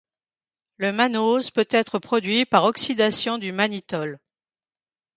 Le mannose peut être produit par oxydation du mannitol.